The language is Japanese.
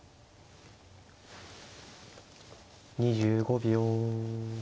２５秒。